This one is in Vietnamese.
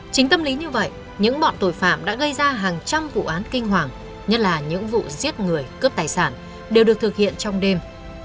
chính tâm lý như vậy những bọn tội phạm đã gây ra hàng trăm vụ án kinh hoàng nhất là những vụ giết người cướp tài sản đều được thực hiện trong đêm